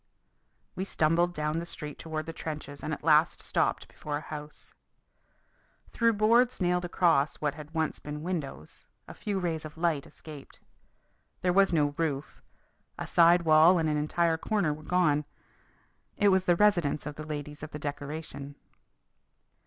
We stumbled down the street toward the trenches and at last stopped before a house. Through boards nailed across what had once been windows a few rays of light escaped. There was no roof; a side wall and an entire corner were gone. It was the residence of the ladies of the decoration.